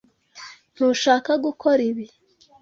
Ntushaka gukora ibi.